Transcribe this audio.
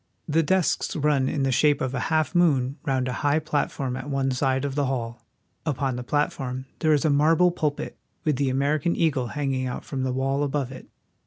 The desks run in the shape of a half moon round a high platform at one side of the hall. Upon the platform there is a marble pulpit. The Hall of the House of Representatives. with the, American eagle hanging out from the wall above it.